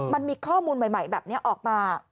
มันมีข้อมูลใหม่แบบนี้ออกมา